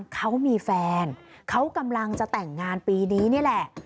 เขากำลังจะแต่งงานปีนี้นี่แหละ